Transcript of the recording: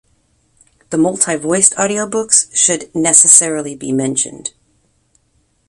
The multi-voiced audio books should necessarily be mentioned.